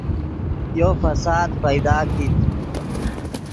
یو فساد پیدا کیت